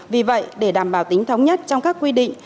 vì vậy để đảm bảo tính thống nhất trong các quy định